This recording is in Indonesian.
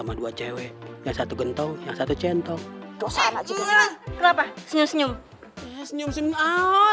biar diperhati sama kita berdua